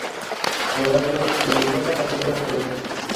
Por algo, se le llama la tierra fresca.